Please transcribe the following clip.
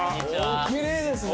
おきれいですね。